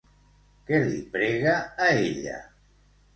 Què li prega a ella?